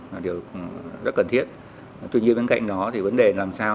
là điều rất cần thiết tuy nhiên bên cạnh đó thì vấn đề làm sao